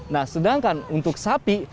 nah sedangkan untuk sapi